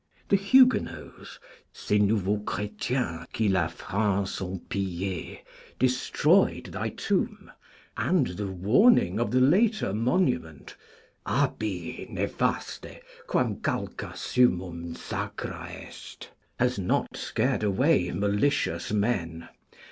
The Huguenots, ces nouveaux Chrétiens qui la France ont pillée, destroyed thy tomb, and the warning of the later monument, ABI, NEFASTE, QUAM CALCAS HUMUM SACRA EST, has not scared away malicious men.